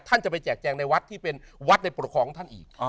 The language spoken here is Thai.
ท่านจะไปแจกแจงในวัดที่เป็นวัดในปกครองท่านอีก